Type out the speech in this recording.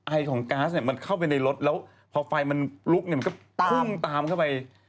ไอของก๊าซเนี่ยมันเข้าไปในรถแล้วพอไฟมันลุกเนี่ยมันก็พุ่งตามเข้าไป